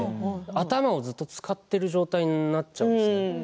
頭をずっと使っている状態になっちゃうんです。